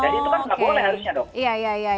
jadi itu kan nggak boleh harusnya dong